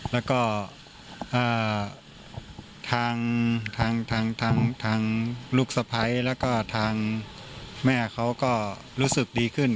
แล้วก็ทางลูกสะพ้ายแล้วก็ทางแม่เขาก็รู้สึกดีขึ้น